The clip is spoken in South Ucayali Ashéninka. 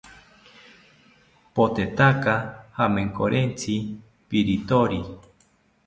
Potetaka jamenkorentziki pirithori